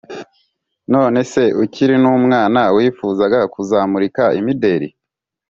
none se ukiri n’umwana wifuzaga kuzamurika imideli?